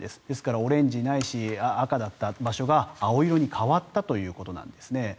ですからオレンジないし赤だった場所が青色に変わったということです。